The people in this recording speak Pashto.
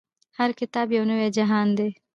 هر کتاب يو نوی جهان دی.